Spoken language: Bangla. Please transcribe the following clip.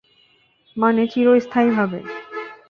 মানে, চিরস্থায়ীভাবে।